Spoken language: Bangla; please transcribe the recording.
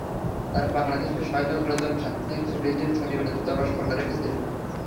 তারা বাংলাদেশকে সহায়তা করার জন্য সাপ্তাহিক ছুটির দিন শনিবার দূতাবাস খোলা রেখেছিল।